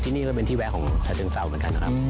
ที่นี่ก็เป็นที่แวะของชาติเชิงเซลล์เหมือนกันนะครับ